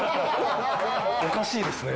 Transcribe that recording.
おかしいですね。